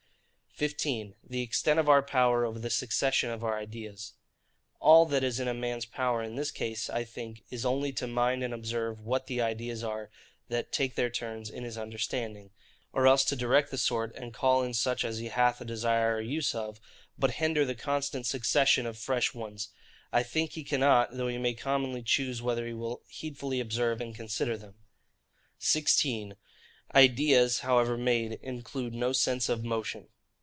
15. The extent of our power over the succession of our ideas. All that is in a man's power in this case, I think, is only to mind and observe what the ideas are that take their turns in his understanding; or else to direct the sort, and call in such as he hath a desire or use of: but hinder the constant succession of fresh ones, I think he cannot, though he may commonly choose whether he will heedfully observe and consider them. 16. Ideas, however made, include no sense of motion.